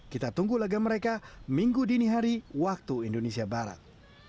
kita tunggu laga mereka minggu dini hari waktu indonesia barat